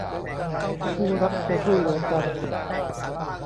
คู่รักจะช่วยเหลือกัน